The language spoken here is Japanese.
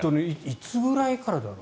いつくらいからだろう？